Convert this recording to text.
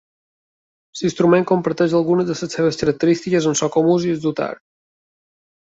L'instrument comparteix algunes de les seves característiques amb el komuz i el dutar.